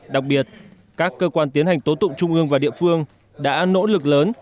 đặc biệt các cơ quan tiến hành tố tụng trung ương và địa phương đã nỗ lực lớn